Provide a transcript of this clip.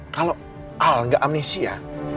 kalau al gak amlesia